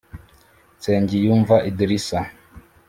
Nsengiyumva Idrissa